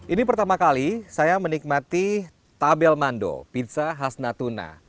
ini pertama kali saya menikmati tabel mando pizza hasnatuna